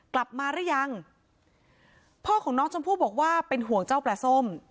กลับมาหรือยังพ่อของน้องชมพู่บอกว่าเป็นห่วงเจ้าปลาส้ม